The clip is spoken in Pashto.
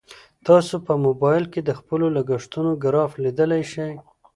تاسو په موبایل کې د خپلو لګښتونو ګراف لیدلی شئ.